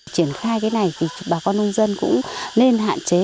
triển khai cái này thì bà con nông dân cũng nên hạn chế